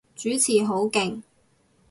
主持好勁